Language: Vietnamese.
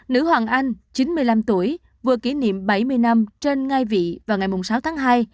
nữ hoàng anh chín mươi năm tuổi vừa kỷ niệm bảy mươi năm trên ngai vị vào ngày sáu tháng hai